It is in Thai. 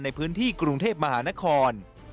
ในพื้นที่กรุงเทพมหานคร